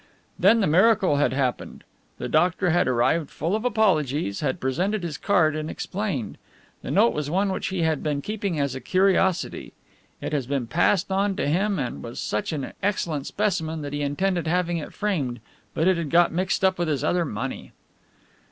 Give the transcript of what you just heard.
Then the miracle had happened. The doctor had arrived full of apologies, had presented his card and explained. The note was one which he had been keeping as a curiosity. It has been passed on him and was such an excellent specimen that he intended having it framed but it had got mixed up with his other money.